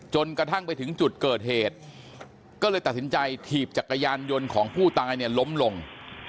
กระทั่งไปถึงจุดเกิดเหตุก็เลยตัดสินใจถีบจักรยานยนต์ของผู้ตายเนี่ยล้มลง